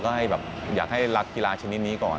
ก็ให้แบบอยากให้รักกีฬาชนิดนี้ก่อน